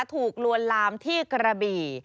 ลวนลามที่กระบี่